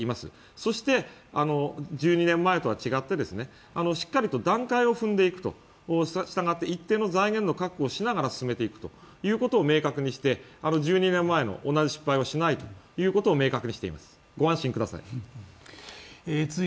そして１２年前とは違って、しっかりと段階を踏んでいくとしたがって一定の財源の確保をしながら進めていくということ、１２年前の同じ失敗をしないということを明確にしていく、ご安心ください。